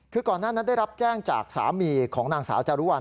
คือก่อนหน้านั้นได้รับแจ้งจากสามีของนางสาวจารุวัล